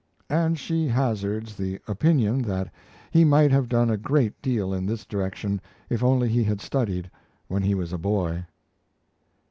And she hazards the opinion that he might have done a great deal in this direction if only he had studied when he was a boy!